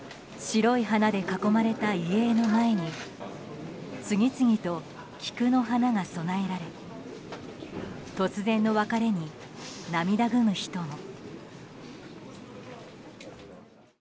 白い花で囲まれた遺影の前に次々と菊の花が供えられ突然の別れに涙ぐむ人も。